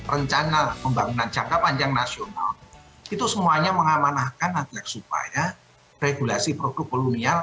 rencana pembangunan jangka panjang nasional itu semuanya mengamanahkan agar supaya regulasi produk kolonial